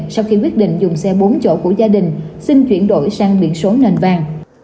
sau khi quyết định dùng xe bốn chỗ của gia đình xin chuyển đổi sang biển số nền vàng